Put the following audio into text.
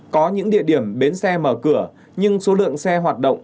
có những địa điểm bến xe mở cửa nhưng số lượng xe hoạt động